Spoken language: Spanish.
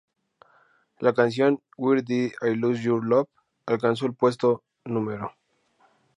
La canción "Where Did I Lose Your Love" alcanzó el puesto No.